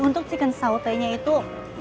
untuk chicken sauté nya itu